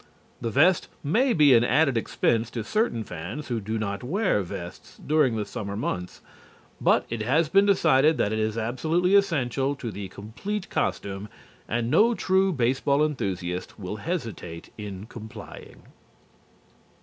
The vest may be an added expense to certain fans who do not wear vests during the summer months, but it has been decided that it is absolutely essential to the complete costume, and no true baseball enthusiast will hesitate in complying.